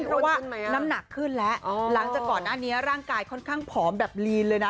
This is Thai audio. เพราะว่าน้ำหนักขึ้นแล้วหลังจากก่อนหน้านี้ร่างกายค่อนข้างผอมแบบลีนเลยนะ